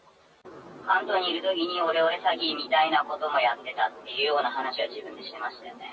関東にいるときにオレオレ詐欺みたいなこともやってたっていう話は、自分でしてましたよね。